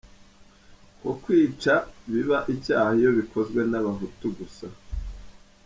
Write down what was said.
Ko kwica biba icyaha iyo bikozwe n’abahutu gusa.